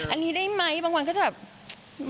อันนี้ได้ไหมบางวันก็จะแบบ